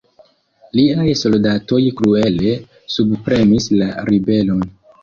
Liaj soldatoj kruele subpremis la ribelon.